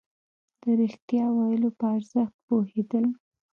د رښتيا ويلو په ارزښت پوهېدل.